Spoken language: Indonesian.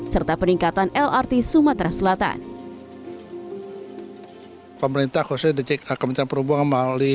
serta peningkatan lrt sampai